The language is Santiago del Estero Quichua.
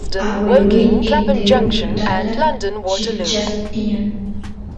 agueloy entero tutata llikchas tiyan